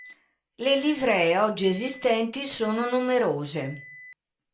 Le livree oggi esistenti sono numerose.